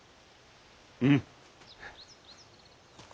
うん。